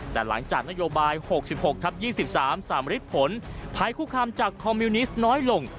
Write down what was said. แต่หลังจากนโยบาย๖๖ทับ๒๓สำริดผลภัยคุกคามจากคอมมิวนิสต์น้อยลง